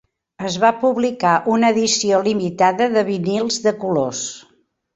Es va publicar una edició limitada de vinils de colors.